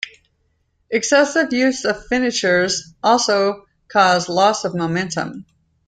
Excessive use of finishers also cause loss in momentum.